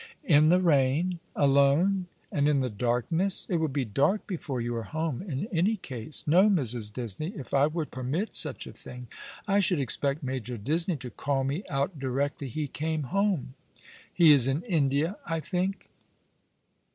" In the rain, alone, and in the darkness ? It will bo dark before you are home, in any case. No, Mrs. Disney, if I were to permit such a thing I should expect Major Disney to call me out directly he came home. He is in India, I think?"